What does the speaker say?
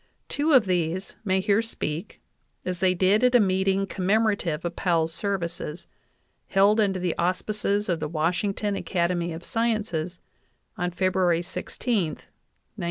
Two of these may here speak, as they did at a meeting commemorative of Powell's services, held under the auspices of the Washington Academy of Sciences on Feb ruary 1 6, 1903.